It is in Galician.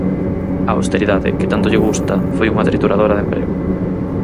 A austeridade, que tanto lle gusta, foi unha trituradora de emprego.